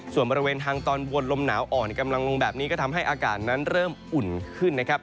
ส่วนบริเวณทางตอนบนลมหนาวอ่อนกำลังลงแบบนี้ก็ทำให้อากาศนั้นเริ่มอุ่นขึ้นนะครับ